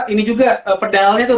ini juga pedal nya tuh